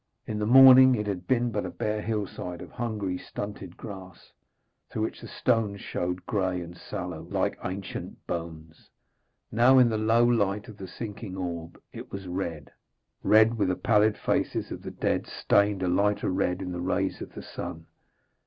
In the morning it had been but a bare hillside of hungry, stunted grass, through which the stones showed grey and sallow, like ancient bones. Now, in the low light of the sinking orb, it was red red, with the pallid faces of the dead stained a lighter red in the rays of the sun.